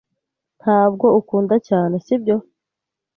Ntabwo ukunda cyane, sibyo?